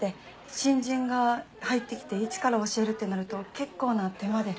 新人が入って来てイチから教えるってなると結構な手間で。